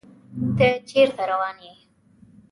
تۀ چېرته روان يې ؟